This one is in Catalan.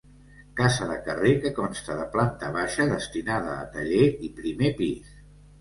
Casa de carrer que consta de planta baixa destinada a taller i primer pis.